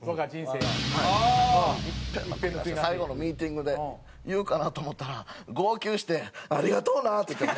最後のミーティングで言うかなと思ったら号泣してありがとうなって。